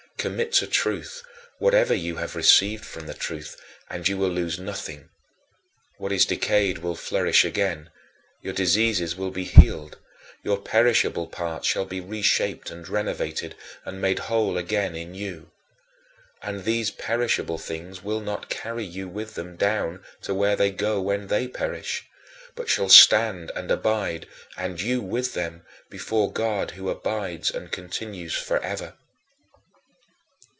Commit to truth whatever you have received from the truth, and you will lose nothing. What is decayed will flourish again; your diseases will be healed; your perishable parts shall be reshaped and renovated, and made whole again in you. And these perishable things will not carry you with them down to where they go when they perish, but shall stand and abide, and you with them, before God, who abides and continues forever.